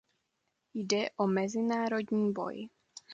Jde o mezinárodní boj.